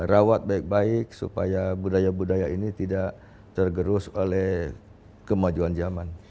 rawat baik baik supaya budaya budaya ini tidak tergerus oleh kemajuan zaman